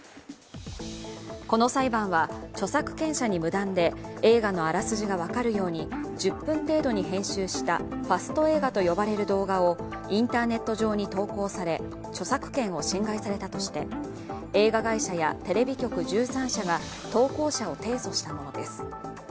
この裁判は、著作権者に無断で映画のあらすじが分かるように１０分程度に編集したファスト映画と呼ばれる動画をインターネット上に投稿され、著作権を侵害されたとして映画会社やテレビ局１３社が投稿者を提訴したものです。